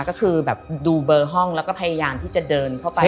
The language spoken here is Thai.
ก็คือแบบดูเบอร์ห้องแล้วก็พยายามที่จะเดินเข้าไป